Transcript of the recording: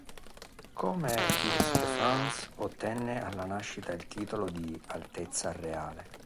Come "Fils de France" ottenne alla nascita il titolo di "Altezza Reale".